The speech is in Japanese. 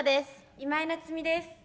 今井菜津美です。